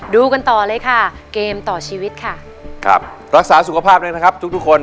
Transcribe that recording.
ดูกันต่อเลยค่ะเกมต่อชีวิตค่ะครับรักษาสุขภาพเลยนะครับทุกทุกคน